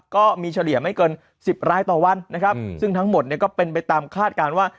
เฉลี่ยไม่เกิน๑๐รายต่อวันนะครับซึ่งทั้งหมดเนี่ยก็เป็นไปตามคาดการณ์ว่า